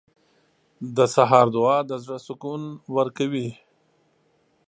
• د سهار دعا د زړه سکون ورکوي.